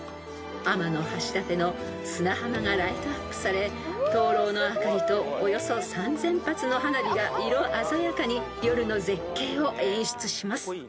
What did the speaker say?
［天橋立の砂浜がライトアップされ燈籠の灯りとおよそ３，０００発の花火が色鮮やかに夜の絶景を演出します］